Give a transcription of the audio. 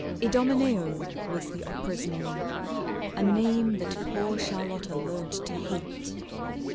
'Idomeneo' was the opera's name, A name that poor Charlotta learnt to hate.